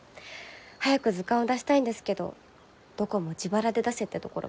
早く図鑑を出したいんですけどどこも自腹で出せってところばかりで。